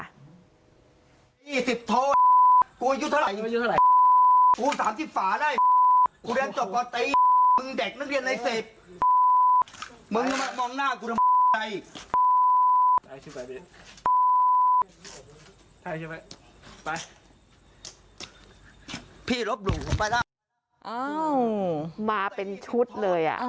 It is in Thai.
อ้าวมาเป็นชุดเลยอ่ะ